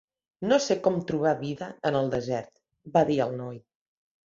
"No sé com trobar vida en el desert", va dir el noi.